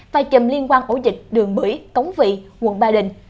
và chùm liên quan ổ dịch đường bửi cống vị quận ba đình